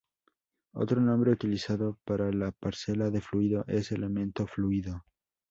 Otro nombre utilizado para la parcela de fluido es elemento fluido.